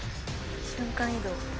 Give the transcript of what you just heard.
瞬間移動。